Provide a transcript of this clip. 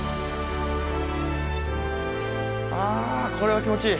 あぁこれは気持ちいい。